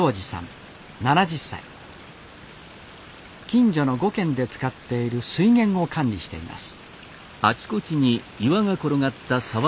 近所の５軒で使っている水源を管理しています